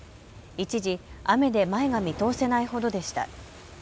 一時、雨で前が見通せないほどでした。